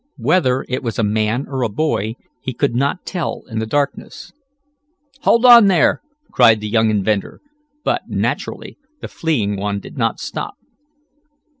Whether it was a man or a boy he could not tell in the darkness. "Hold on there!" cried the young inventor, but, naturally, the fleeing one did not stop.